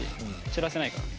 散らせないから。